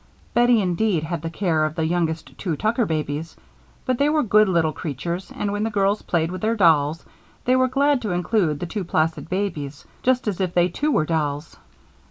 Bettie, indeed, had the care of the youngest two Tucker babies, but they were good little creatures and when the girls played with their dolls they were glad to include the two placid babies, just as if they too were dolls.